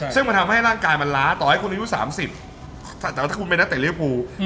ซึ่งมันทำให้ร่างกายมันล้าต่อให้คุณอายุ๓๐แต่ว่าถ้าคุณเป็นนักเตะลิภู